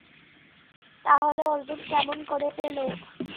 তাহলে অর্জুন কেমন করে পেলো?